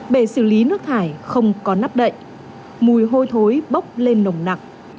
để xử lý nước thải không có nắp đậy mùi hôi thối bốc lên nồng nặng